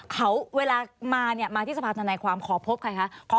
เขาเวลามาที่สภาธนายค์ขอพบใครคะ